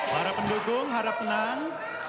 para pendukung harap tenang